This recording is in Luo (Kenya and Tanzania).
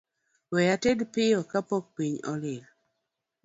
We ated piyo kapok piny olil